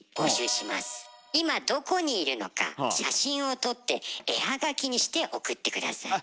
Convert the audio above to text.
今どこにいるのか写真を撮って絵はがきにして送って下さい。